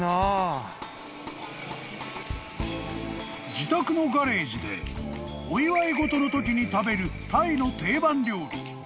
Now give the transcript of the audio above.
［自宅のガレージでお祝い事のときに食べるタイの定番料理